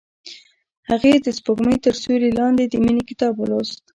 هغې د سپوږمۍ تر سیوري لاندې د مینې کتاب ولوست.